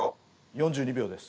４２秒です。